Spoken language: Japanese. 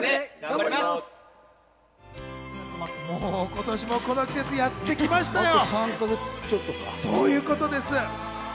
今年もこの季節、やってきましたよ。